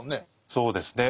そうですね。